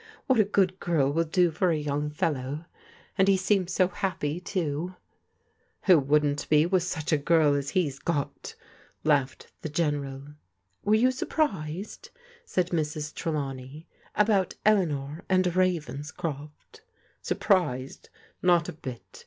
What a gpod girl will do for a yotmg fdlow! And he seems so happy, too •*W"ho wouldn't be with sudi a girl as he's got?" laughed the General Were tou surprised," said Mrs. Trdawney, " about Ekanor and Ravenscroft? """ Surprised? not a bit!